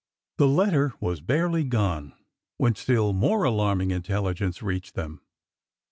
The letter was barely gone when still more alarming intelligence reached them.